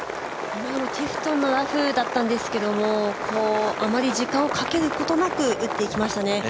ティフトンのラフだったんですけどもあまり時間を掛けることなく打っていきましたね。